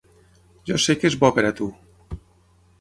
Jo sé que és bo per a tu.